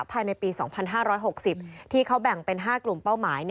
ภายในปี๒๕๖๐ที่เขาแบ่งเป็น๕กลุ่มเป้าหมาย